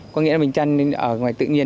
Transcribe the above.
có nghĩa là mình chăn ở ngoài tự nhiên